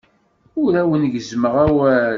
Ur awen-gezzmeɣ awal.